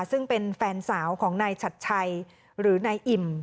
ซึ่งเป็นแฟนสาวของนายชัดชัยหรือนายอิ่ม